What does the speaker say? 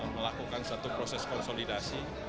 melakukan satu proses konsolidasi